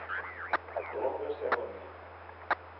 Alóngase a agonía.